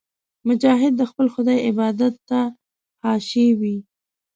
مجاهد د خپل خدای عبادت ته خاشع وي.